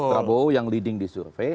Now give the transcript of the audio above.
prabowo yang leading di survei